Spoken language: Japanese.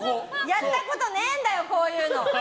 やったことねえんだよこういうの！